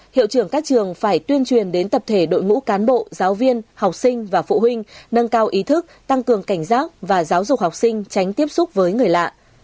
hiệu trưởng các trường phải tuyên truyền đến tập thể đội ngũ cán bộ giáo viên học sinh và phụ huynh nâng cao ý thức tăng cường cảnh giác và giáo dục học sinh tránh tiếp xúc với người lạ